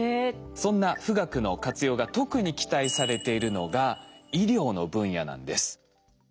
そんな富岳の活用が特に期待されているのが医療の分野なんです。